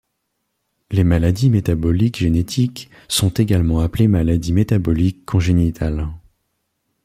Les maladies métaboliques génétiques sont également appelées maladies métaboliques congénitales.